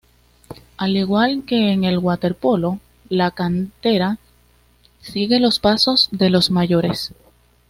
Al igual que en el waterpolo, la cantera sigue los pasos de los mayores.